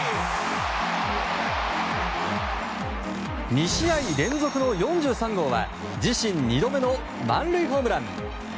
２試合連続の４３号は自身２度目の満塁ホームラン！